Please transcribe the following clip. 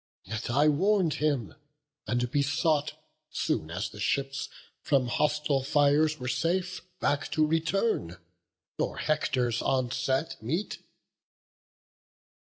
yet I warn'd him, and besought, Soon as the ships from hostile fires were safe, Back to return, nor Hector's onset meet."